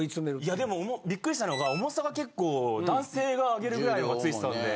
いやでもびっくりしたのが重さが結構男性が上げるぐらいのがついてたんで。